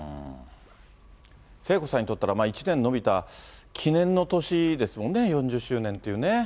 聖子さんにとったら、１年延びた記念の年ですもんね、４０周年っていうね。